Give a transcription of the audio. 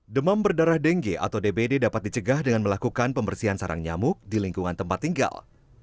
demam berdarah dengue atau dbd dapat dicegah dengan melakukan pembersihan sarang nyamuk di lingkungan tempat tinggal